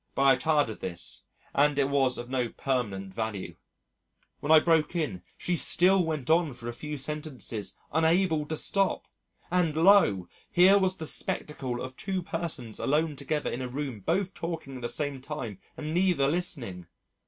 But I tired of this and it was of no permanent value. When I broke in, she still went on for a few sentences unable to stop, and lo! here was the spectacle of two persons alone together in a room both talking at the same time and neither listening.